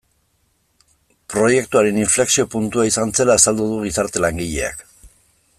Proiektuaren inflexio puntua izan zela azaldu du gizarte langileak.